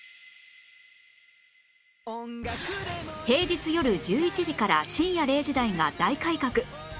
平日よる１１時から深夜０時台が大改革